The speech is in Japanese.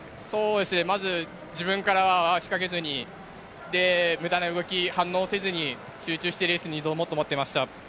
まず自分からは仕掛けずに、無駄な動き・反応をせずに集中してレースを挑もうと思っていました。